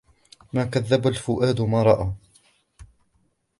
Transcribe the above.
ما كذب الفؤاد ما رأى